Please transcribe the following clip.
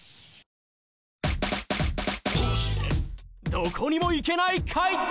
どこにも行けない階段！